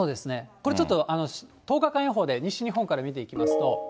これちょっと、１０日間予報で西日本から見ていきますと。